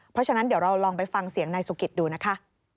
เพราะฉะนั้นเดี๋ยวเราลองไปฟังเสียงนายสุกิตดูนะคะ